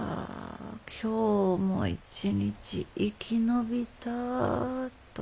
今日も一日生き延びたと。